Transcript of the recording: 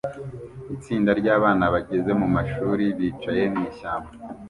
Itsinda ryabana bageze mumashuri bicaye mwishyamba